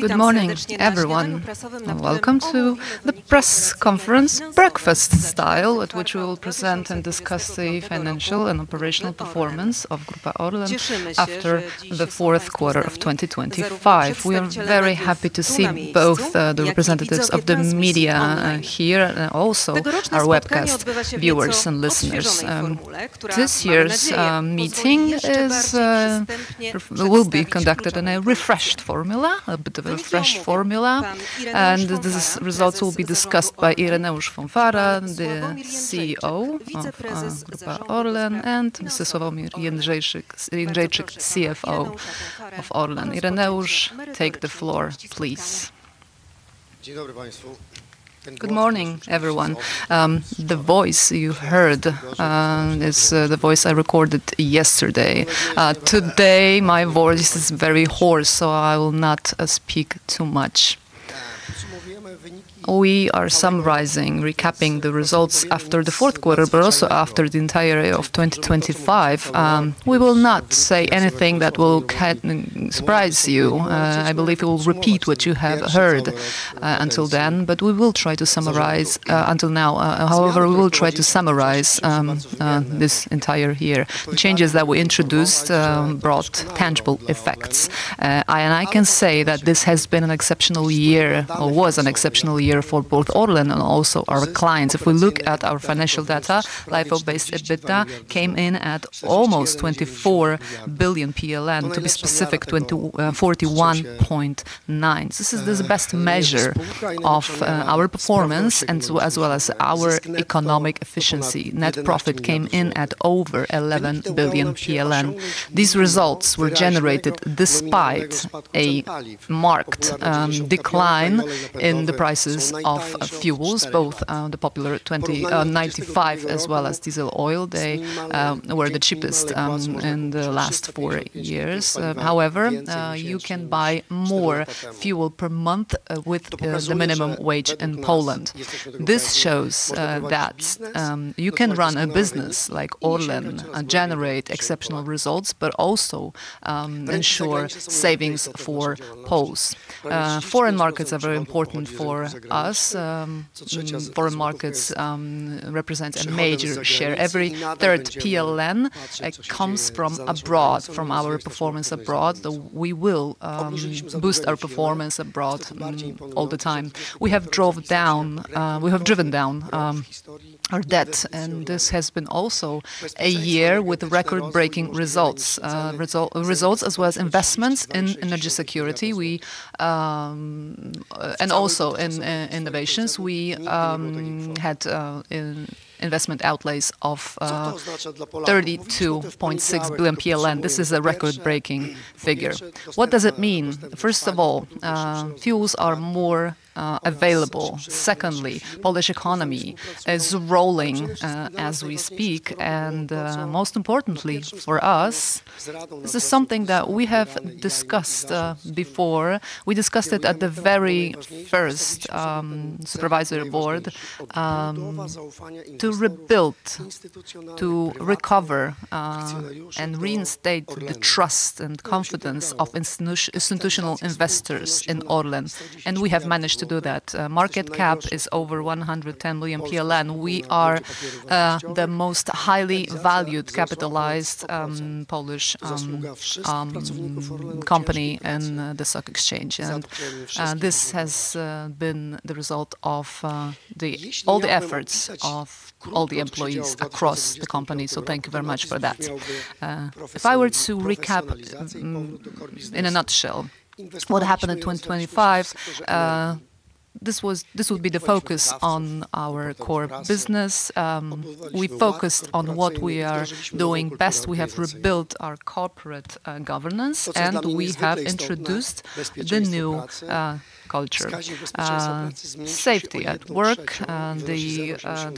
Good morning, everyone, and welcome to the press conference, breakfast style, at which we will present and discuss the financial and operational performance of Grupa ORLEN after the fourth quarter of 2025. We are very happy to see both the representatives of the media here, and also our webcast viewers and listeners. This year's meeting will be conducted in a refreshed formula, a bit of a fresh formula, and these results will be discussed by Ireneusz Fąfara, the CEO of Grupa ORLEN, and Mr. Sławomir Jędrzejczyk, CFO of ORLEN. Ireneusz, take the floor, please. Good morning, everyone. The voice you've heard is the voice I recorded yesterday. Today my voice is very hoarse, so I will not speak too much. We are summarizing, recapping the results after the fourth quarter, but also after the entire year of 2025. We will not say anything that will surprise you. I believe it will repeat what you have heard until then, but we will try to summarize until now. However, we will try to summarize this entire year. The changes that we introduced brought tangible effects. I can say that this has been an exceptional year or was an exceptional year for both ORLEN and also our clients. If we look at our financial data, LIFO-based EBITDA came in at almost 24 billion PLN, to be specific, 41.9 billion. This is the best measure of our performance, and so as well as our economic efficiency. Net profit came in at over 11 billion PLN. These results were generated despite a marked decline in the prices of fuels, both the popular 95, as well as diesel oil. They were the cheapest in the last four years. However, you can buy more fuel per month with the minimum wage in Poland. This shows that you can run a business like ORLEN and generate exceptional results, but also ensure savings for Poles. Foreign markets are very important for us. Foreign markets represent a major share. Every third PLN comes from abroad, from our performance abroad. We will boost our performance abroad all the time. We have driven down our debt, and this has been also a year with record-breaking results as well as investments in energy security. We and also in innovations we had investment outlays of 32.6 billion PLN. This is a record-breaking figure. What does it mean? First of all, fuels are more available. Secondly, Polish economy is rolling as we speak, and most importantly for us, this is something that we have discussed before. We discussed it at the very first supervisory board to rebuild, to recover, and reinstate the trust and confidence of institutional investors in ORLEN, and we have managed to do that. Market cap is over 110 million PLN. We are the most highly valued, capitalized Polish company in the stock exchange, and this has been the result of all the efforts of all the employees across the company. So thank you very much for that. If I were to recap, in a nutshell, what happened in 2025, this was, this would be the focus on our core business. We focused on what we are doing best. We have rebuilt our corporate governance, and we have introduced the new culture. Safety at work,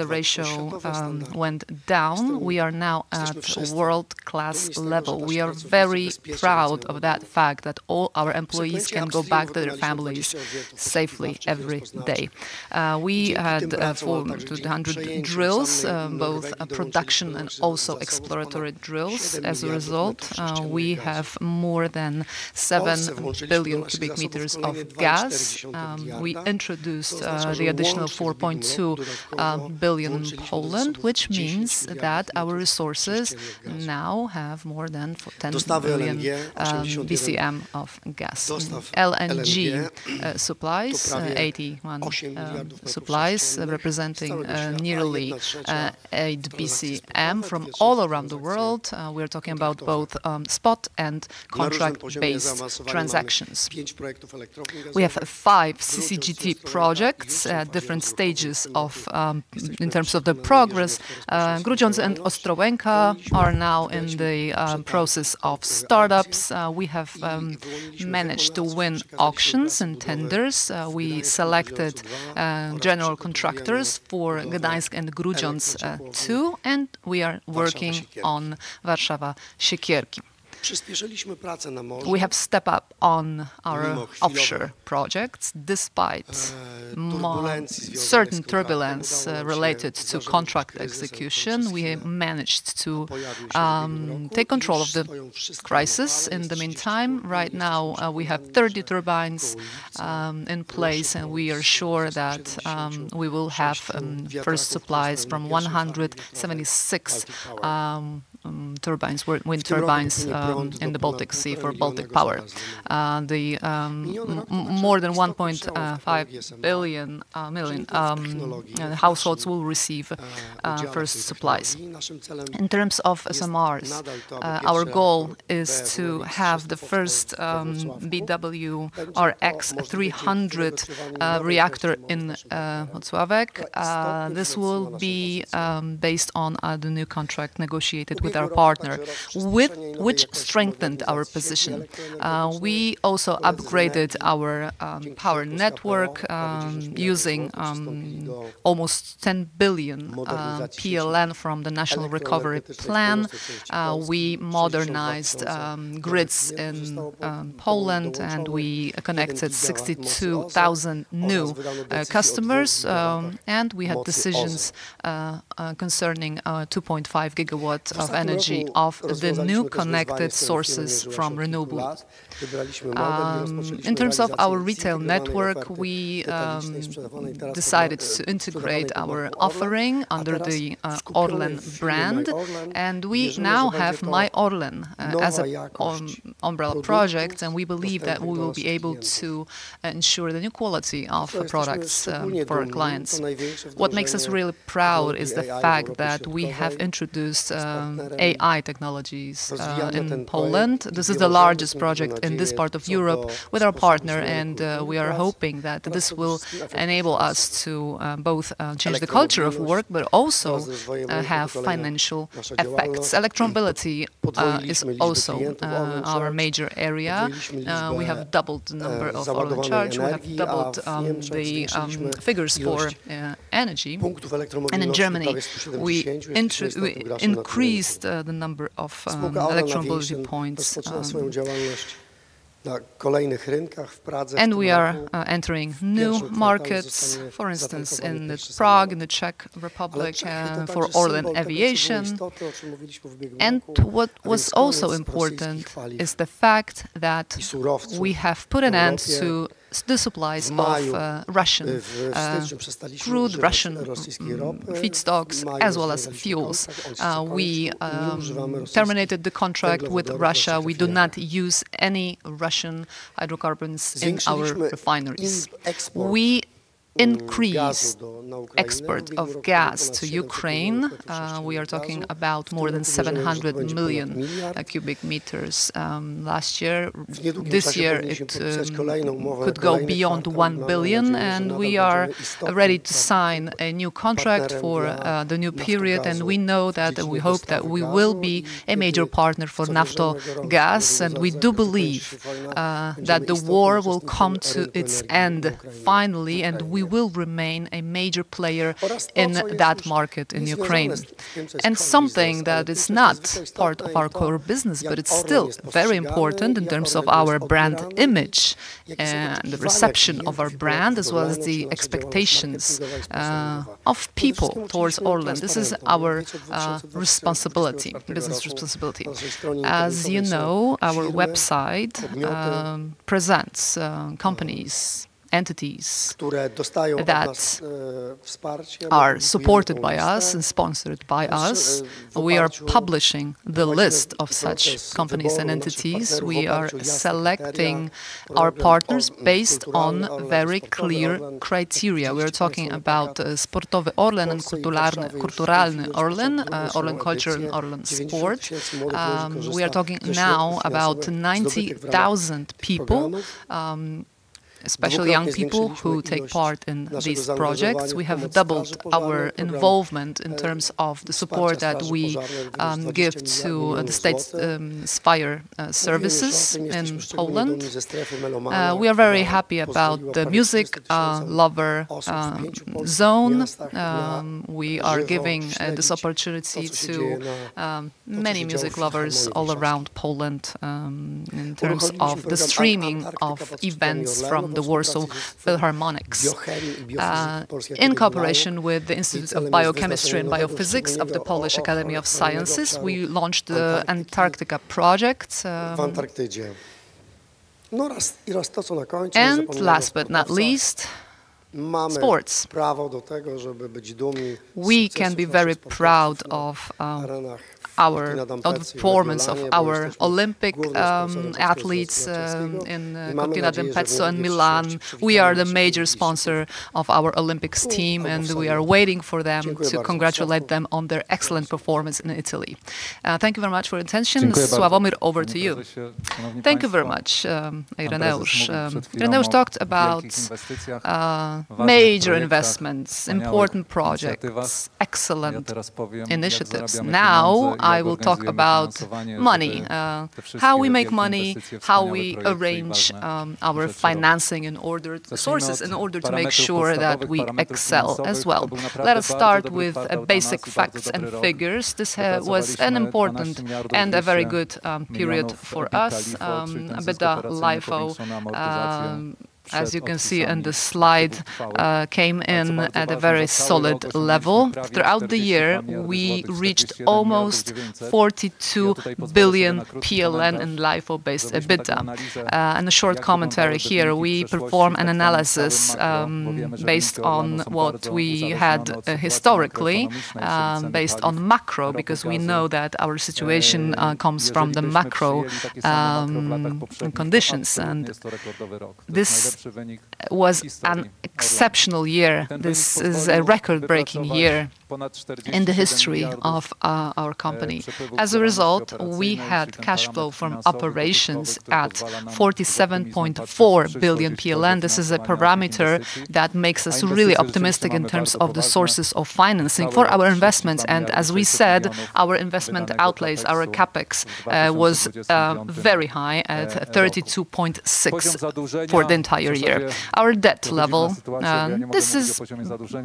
the ratio went down. We are now at a world-class level. We are very proud of that fact, that all our employees can go back to their families safely every day. We had 400 drills, both production and also exploratory drills. As a result, we have more than 7 billion cubic meters of gas. We introduced the additional 4.2 billion PLN, which means that our resources now have more than 10 billion BCM of gas. LNG supplies, 81 supplies, representing nearly 8 BCM from all around the world. We're talking about both spot and contract-based transactions. We have 5 CCGT projects at different stages in terms of the progress. Grudziądz and Ostrołęka are now in the process of startups. We have managed to win auctions and tenders. We selected general contractors for Gdańsk and Grudziądz, too, and we are working on Warszawa-Siekierki. We have stepped up on our offshore projects despite certain turbulence related to contract execution. We managed to take control of the crisis in the meantime. Right now, we have 30 turbines in place, and we are sure that we will have first supplies from 176 turbines, wind turbines, in the Baltic Sea for Baltic Power. The more than 1.5 million households will receive first supplies. In terms of SMRs, our goal is to have the first BWRX-300 reactor in Włocławek. This will be based on the new contract negotiated with our partner, with which strengthened our position. We also upgraded our power network using almost 10 billion PLN from the National Recovery Plan. We modernized grids in Poland, and we connected 62,000 new customers, and we had decisions concerning 2.5 gigawatts of energy of the new connected sources from renewable. In terms of our retail network, we decided to integrate our offering under the ORLEN brand, and we now have My ORLEN as a umbrella project, and we believe that we will be able to ensure the new quality of products for our clients. What makes us really proud is the fact that we have introduced AI technologies in Poland. This is the largest project in this part of Europe with our partner, and we are hoping that this will enable us to both change the culture of work, but also have financial effects. Electromobility is also our major area. We have doubled the number of ORLEN Charge. We have doubled the figures for energy. And in Germany, we increased the number of electromobility points. And we are entering new markets, for instance, in Prague, in the Czech Republic, for ORLEN Aviation. And what was also important is the fact that we have put an end to the supplies of Russian crude, Russian feedstocks, as well as fuels. We terminated the contract with Russia. We do not use any Russian hydrocarbons in our refineries. We increased export of gas to Ukraine. We are talking about more than 700 million cubic meters last year. This year, it could go beyond 1 billion, and we are ready to sign a new contract for the new period. We know that, and we hope that we will be a major partner for Naftogaz, and we do believe that the war will come to its end finally, and we will remain a major player in that market in Ukraine. Something that is not part of our core business, but it's still very important in terms of our brand image and the reception of our brand, as well as the expectations of people towards ORLEN, this is our responsibility, business responsibility. As you know, our website presents companies, entities that are supported by us and sponsored by us. We are publishing the list of such companies and entities. We are selecting our partners based on very clear criteria. We are talking about Sportowy ORLEN and Kulturalny, Kulturalny ORLEN, ORLEN Cultural and ORLEN Sport. We are talking now about 90,000 people, especially young people, who take part in these projects. We have doubled our involvement in terms of the support that we give to the state's fire services in Poland. We are very happy about the Music Lover Zone. We are giving this opportunity to many music lovers all around Poland, in terms of the streaming of events from the Warsaw Philharmonic. In cooperation with the Institute of Biochemistry and Biophysics of the Polish Academy of Sciences, we launched the Antarctica project. And last but not least, sports. We can be very proud of our of the performance of our Olympic athletes in Cortina d'Ampezzo and Milan. We are the major sponsor of our Olympics team, and we are waiting for them to congratulate them on their excellent performance in Italy. Thank you very much for your attention. Sławomir, over to you. Thank you very much, Ireneusz. Ireneusz talked about major investments, important projects, excellent initiatives. Now, I will talk about money, how we make money, how we arrange our financing in order to resources, in order to make sure that we excel as well. Let us start with basic facts and figures. This was an important and a very good period for us, but LIFO as you can see on the slide came in at a very solid level. Throughout the year, we reached almost 42 billion PLN in LIFO-based EBITDA. A short commentary here, we perform an analysis based on what we had historically based on macro, because we know that our situation comes from the macro conditions. This was an exceptional year. This is a record-breaking year in the history of our company. As a result, we had cash flow from operations at 47.4 billion PLN. This is a parameter that makes us really optimistic in terms of the sources of financing for our investments. As we said, our investment outlays, our CapEx, was very high at 32.6 billion for the entire year. Our debt level, this is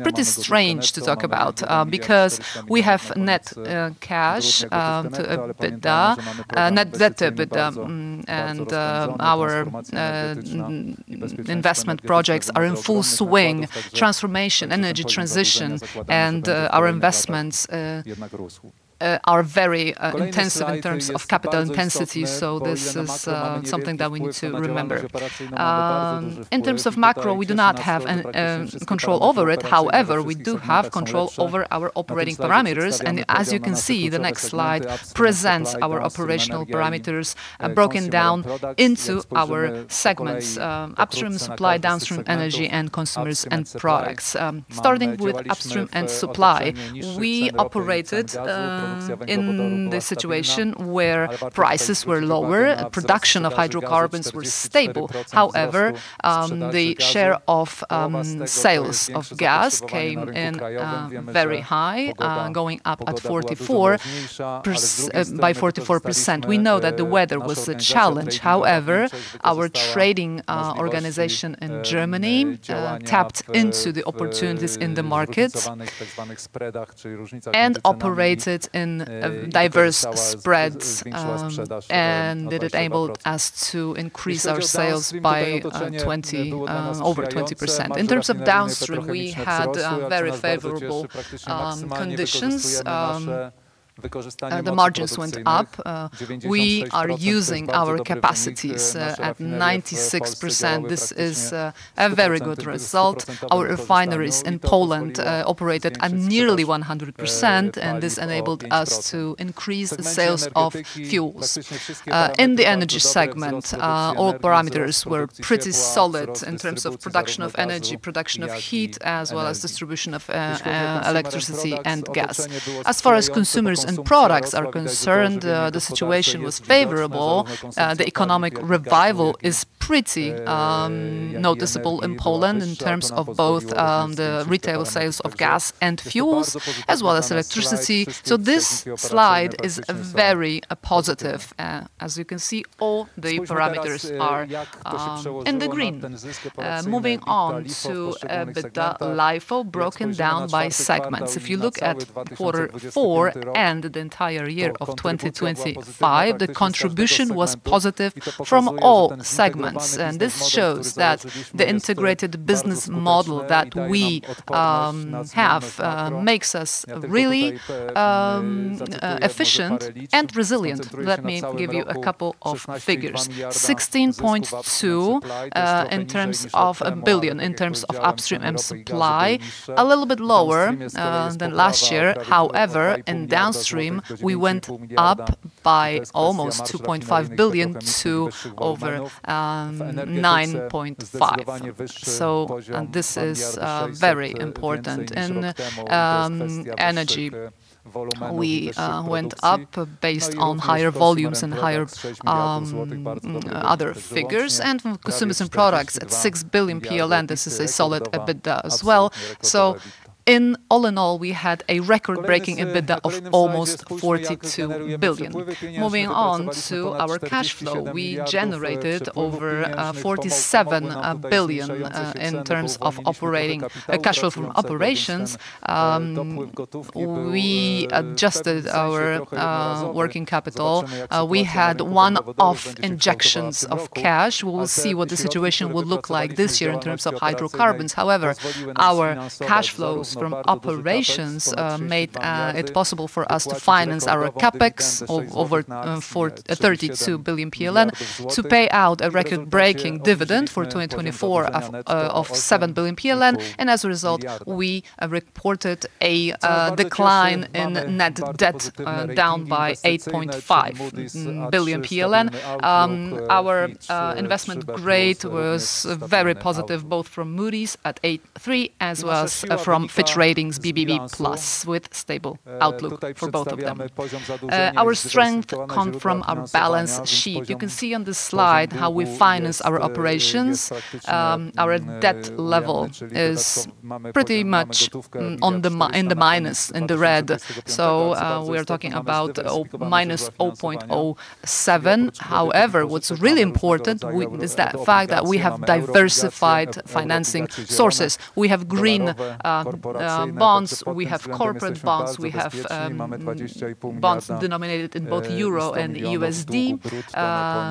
pretty strange to talk about, because we have net cash to EBITDA, net debt to EBITDA, and our investment projects are in full swing. Transformation, energy transition, and our investments are very intensive in terms of capital intensity, so this is something that we need to remember. In terms of macro, we do not have an control over it. However, we do have control over our operating parameters. And as you can see, the next slide presents our operational parameters broken down into our segments, upstream, supply, downstream, energy, and consumers and products. Starting with upstream and supply, we operated in the situation where prices were lower, production of hydrocarbons were stable. However, the share of sales of gas came in very high, going up by 44%. We know that the weather was a challenge. However, our trading organization in Germany tapped into the opportunities in the markets and operated in diverse spreads, and it enabled us to increase our sales by over 20%. In terms of downstream, we had very favorable conditions. The margins went up. We are using our capacities at 96%. This is a very good result. Our refineries in Poland operated at nearly 100%, and this enabled us to increase the sales of fuels. In the energy segment, all parameters were pretty solid in terms of production of energy, production of heat, as well as distribution of electricity and gas. As far as consumers and products are concerned, the situation was favorable. The economic revival is pretty noticeable in Poland in terms of both the retail sales of gas and fuels, as well as electricity. So this slide is a very positive. As you can see, all the parameters are in the green. Moving on to EBITDA, LIFO, broken down by segments. If you look at quarter four and the entire year of 2025, the contribution was positive from all segments, and this shows that the integrated business model that we have makes us really efficient and resilient. Let me give you a couple of figures. 16.2 billion in terms of upstream and supply, a little bit lower than last year. However, in downstream, we went up by almost 2.5 billion to over 9.5 billion. And this is very important. In energy, we went up based on higher volumes and higher other figures. From consumers and products, at 6 billion PLN, this is a solid EBITDA as well. In all, we had a record-breaking EBITDA of almost 42 billion. Moving on to our cash flow, we generated over 47 billion PLN in terms of operating cash flow from operations. We adjusted our working capital. We had one-off injections of cash. We will see what the situation will look like this year in terms of hydrocarbons. However, our cash flows from operations made it possible for us to finance our CapEx of over 43.2 billion PLN to pay out a record-breaking dividend for 2024 of 7 billion PLN. As a result, we reported a decline in net debt down by 8.5 billion PLN. Our investment grade was very positive, both from Moody's at A3, as well as from Fitch Ratings BBB+, with stable outlook for both of them. Our strength come from our balance sheet. You can see on this slide how we finance our operations. Our debt level is pretty much in the minus, in the red. So we are talking about minus 0.07. However, what's really important is the fact that we have diversified outside financing sources. We have green bonds, we have corporate bonds, we have bonds denominated in both euro and USD.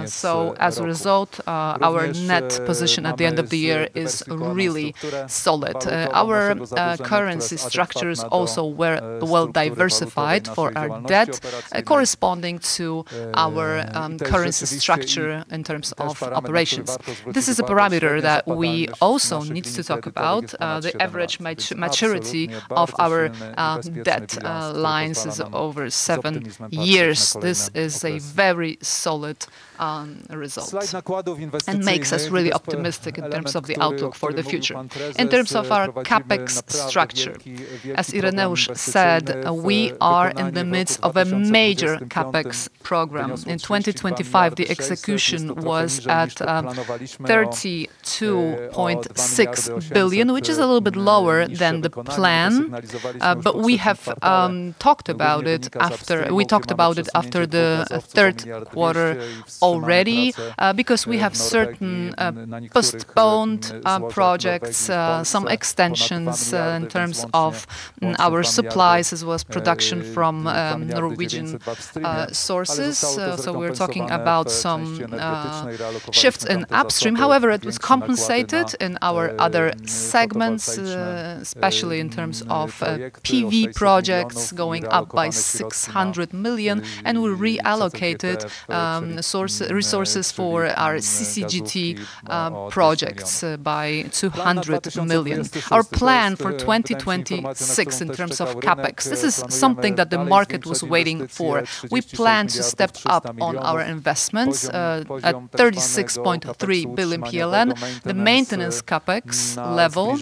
So as a result, our net position at the end of the year is really solid. Our currency structures also were well diversified for our debt, corresponding to our currency structure in terms of operations. This is a parameter that we also need to talk about. The average maturity of our debt lines is over seven years. This is a very solid result, and makes us really optimistic in terms of the outlook for the future. In terms of our CapEx structure, as Ireneusz said, we are in the midst of a major CapEx program. In 2025, the execution was at 32.6 billion, which is a little bit lower than the plan. But we have talked about it after. We talked about it after the third quarter already, because we have certain postponed projects, some extensions in terms of our supplies, as well as production from Norwegian sources. So we're talking about some shifts in upstream. However, it was compensated in our other segments, especially in terms of PV projects going up by 600 million, and we reallocated resources for our CCGT projects by 200 million. Our plan for 2026 in terms of CapEx, this is something that the market was waiting for. We plan to step up on our investments at 36.3 billion PLN. The maintenance CapEx level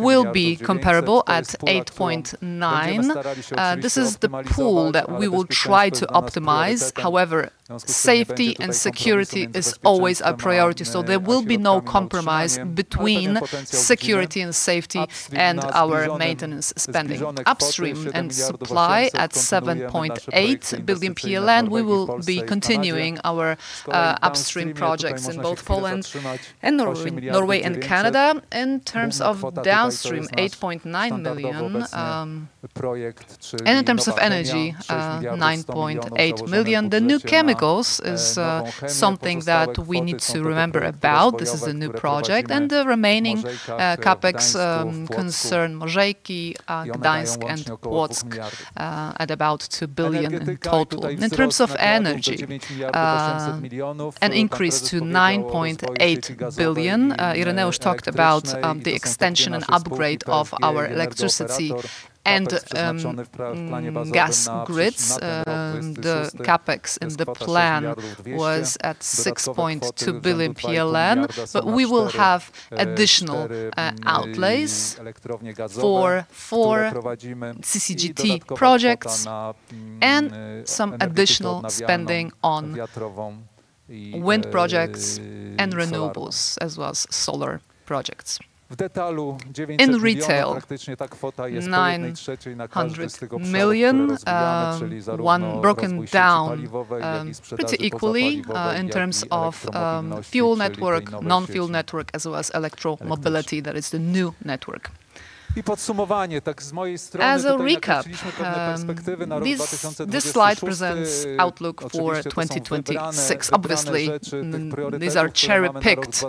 will be comparable at 8.9. This is the pool that we will try to optimize. However, safety and security is always a priority, so there will be no compromise between security and safety, and our maintenance spending. Upstream and supply at 7.8 billion PLN, we will be continuing our upstream projects in both Poland and Norway and Canada. In terms of downstream, 8.9 million, and in terms of energy, 9.8 million. The New Chemistry is something that we need to remember about, this is a new project, and the remaining CapEx concern Mažeikiai, Gdańsk, and Gdańsk at about 2 billion in total. In terms of energy, an increase to 9.8 billion. Ireneusz talked about the extension and upgrade of our electricity and gas grids. The CapEx in the plan was at 6.2 billion PLN, but we will have additional outlays for four CCGT projects and some additional spending on wind projects and renewables, as well as solar projects. In retail, 900 million, one broken down pretty equally in terms of fuel network, non-fuel network, as well as electro mobility, that is the new network. As a recap, this slide presents outlook for 2026. Obviously, these are cherry-picked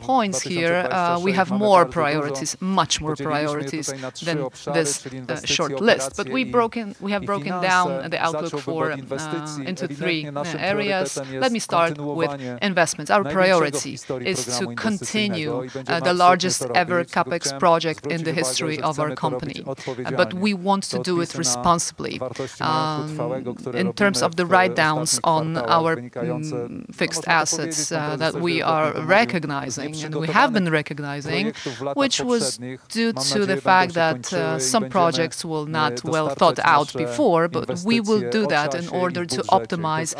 points here. We have more priorities, much more priorities than this short list, but we've broken, we have broken down the outlook into three areas. Let me start with investments. Our priority is to continue the largest-ever CapEx project in the history of our company. But we want to do it responsibly. In terms of the write-downs on our fixed assets that we are recognizing, and we have been recognizing, which was due to the fact that some projects were not well thought out before. But we will do that in order to optimize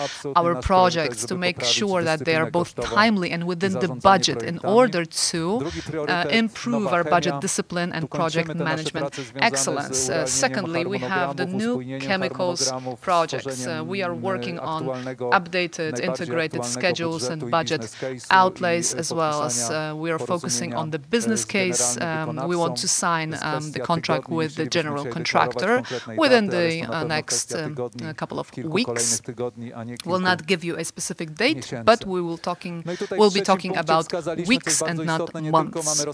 our projects, to make sure that they are both timely and within the budget in order to improve our budget discipline and project management excellence. Secondly, we have the New Chemistry projects. We are working on updated integrated schedules and budget outlays, as well as we are focusing on the business case. We want to sign the contract with the general contractor within the next couple of weeks. We will not give you a specific date, but we'll be talking about weeks, and not months.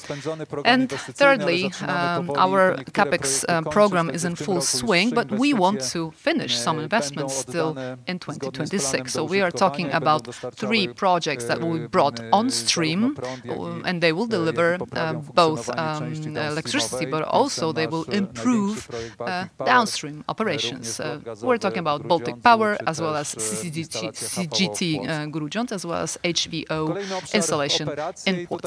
Thirdly, our CapEx program is in full swing, but we want to finish some investments still in 2026. So we are talking about three projects that we brought on stream, and they will deliver both electricity, but also they will improve downstream operations. We're talking about Baltic Power, as well as CCGT Grudziądz, as well as HVO installation in Poland.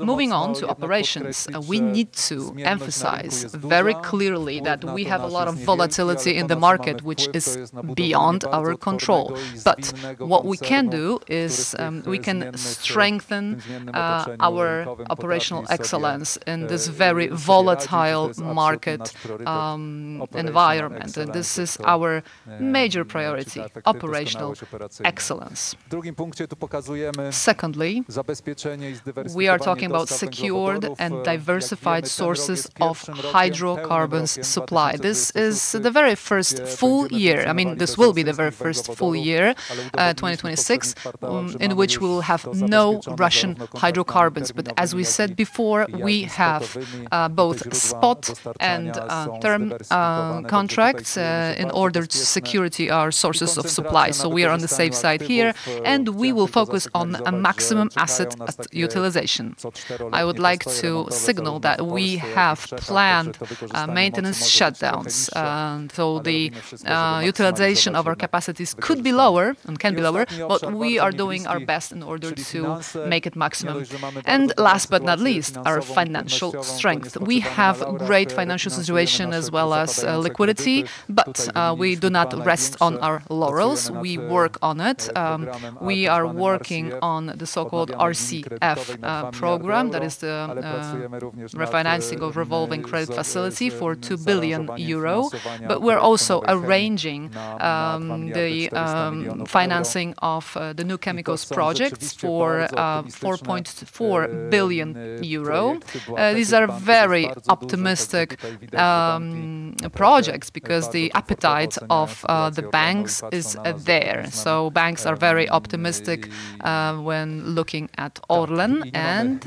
Moving on to operations, we need to emphasize very clearly that we have a lot of volatility in the market, which is beyond our control. But what we can do is we can strengthen our operational excellence in this very volatile market environment, and this is our major priority, operational excellence. Secondly, we are talking about secured and diversified sources of hydrocarbons supply. This is the very first full year. I mean, this will be the very first full year, 2026, in which we will have no Russian hydrocarbons. But as we said before, we have both spot and term contracts in order to secure our sources of supply. So we are on the safe side here, and we will focus on maximum asset utilization. I would like to signal that we have planned maintenance shutdowns, and so the utilization of our capacities could be lower and can be lower, but we are doing our best in order to make it maximum. And last but not least, our financial strength. We have great financial situation as well as liquidity, but we do not rest on our laurels. We work on it. We are working on the so-called RCF program. That is the refinancing of revolving credit facility for 2 billion euro. But we're also arranging the financing of the new chemicals projects for 4.4 billion euro. These are very optimistic projects because the appetite of the banks is there. So banks are very optimistic when looking at ORLEN, and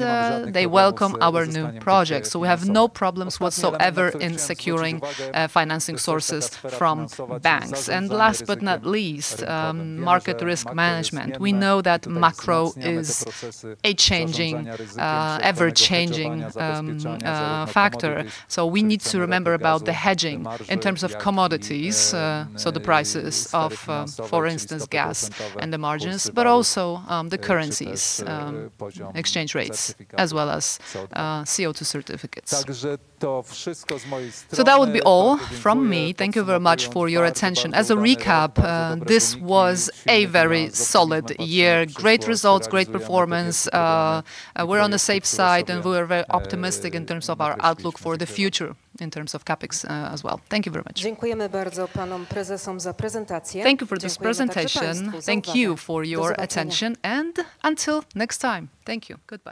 they welcome our new projects. So we have no problems whatsoever in securing financing sources from banks. And last but not least, market risk management. We know that macro is a changing ever-changing factor, so we need to remember about the hedging in terms of commodities, so the prices of, for instance, gas and the margins, but also the currencies, exchange rates, as well as CO2 certificates. So that would be all from me. Thank you very much for your attention. As a recap, this was a very solid year. Great results, great performance. We're on the safe side, and we're very optimistic in terms of our outlook for the future, in terms of CapEx, as well. Thank you very much. Thank you for this presentation. Thank you for your attention, and until next time. Thank you. Goodbye.